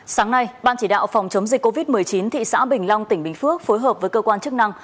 sáng nay ban chỉ đạo phòng chống dịch covid một mươi chín thị xã bình long tỉnh bình phước phối hợp với cơ quan chức năng